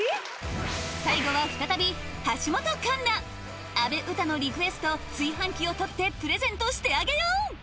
最後は再び橋本環奈阿部詩のリクエスト炊飯器を取ってプレゼントしてあげよう！